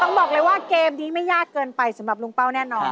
บอกเลยว่าเกมนี้ไม่ยากเกินไปสำหรับลุงเป้าแน่นอน